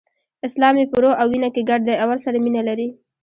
اسلام یې په روح او وینه کې ګډ دی او ورسره مینه لري.